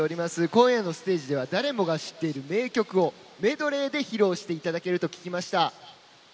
今夜のステージでは誰もが知っている名曲をメドレーで披露していただけると聞きました。